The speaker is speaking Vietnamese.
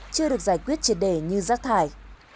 chưa được giải quyết triệt để như rác thải